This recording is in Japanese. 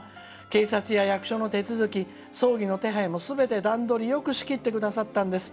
警察や役所の手続き葬儀の手配も、すべて段取りよく仕切ってくださったんです。